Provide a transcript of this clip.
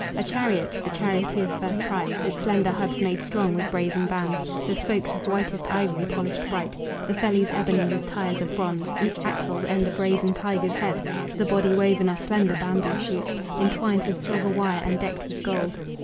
A chariot, the charioteers' first prize, Its slender hubs made strong with brazen bands, The spokes of whitest ivory polished bright, The fellies ebony, with tires of bronze, Each axle's end a brazen tiger's head, The body woven of slender bamboo shoots Intwined with silver wire and decked with gold.